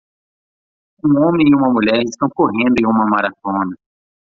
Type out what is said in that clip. Um homem e uma mulher estão correndo em uma maratona.